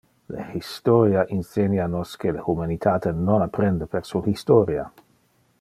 Le historia insenia nos que le humanitate non apprende per su historia.